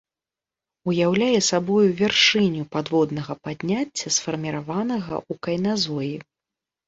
Уяўляе сабою вяршыню падводнага падняцця, сфарміраванага ў кайназоі.